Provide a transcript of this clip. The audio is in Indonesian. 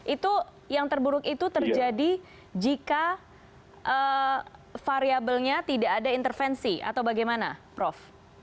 itu yang terburuk itu terjadi jika variabelnya tidak ada intervensi atau bagaimana prof